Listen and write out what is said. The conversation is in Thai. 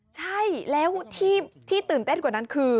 ใช่แล้วที่ตื่นเต้นกว่านั้นคือ